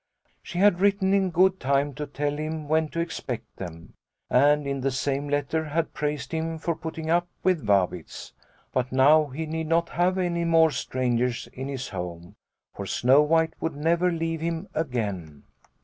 She had written in good time to tell him when to expect them, and in the same letter had praised him for putting up with Vabitz. But now he need not have any more strangers in his home, for Snow White would never leave him again."